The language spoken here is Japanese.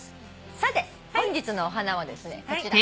さて本日のお花はですねこちら。